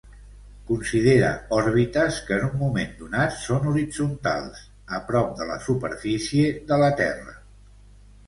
Considera òrbites que en un moment donat són horitzontals, a prop de la superfície de la Terra.